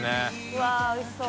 うわっおいしそう。